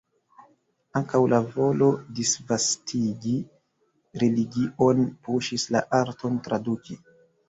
Ankaŭ la volo disvastigi religion puŝis la arton traduki.